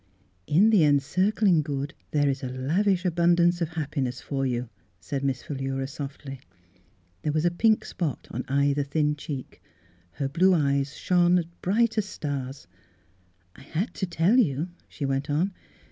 " In the Encircling Good there is a lav ish abundance of happiness for you," said Miss Philura softly. There was a pink spot on either thin cheek. Her blue eyes shone bright as stars. " I had to tell you," she went on.